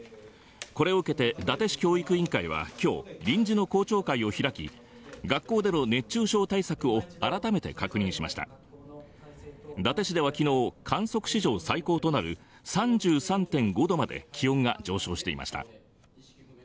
これを受けて伊達市教育委員会は今日臨時の校長会を開き学校での熱中症対策を改めて確認しました伊達市では昨日、観測史上最高となる３３．５度まで気温が上昇していました